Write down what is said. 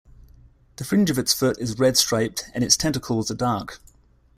The fringe of its foot is red-striped and its tentacles are dark.